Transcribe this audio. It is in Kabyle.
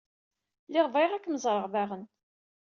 Lliɣ bɣiɣ ad kem-ẓreɣ daɣen.